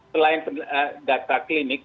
selain data klinik